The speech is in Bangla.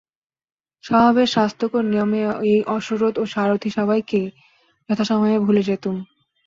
স্বভাবের স্বাস্থ্যকর নিয়মে এই অশ্বরথ ও সারথি সবাইকেই যথাসময়ে ভুলে যেতুম।